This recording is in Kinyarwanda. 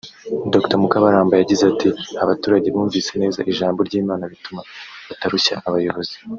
Dr Mukabaramba yagize ati "Abaturage bumvise neza ijambo ry’Imana bituma batarushya abayobozi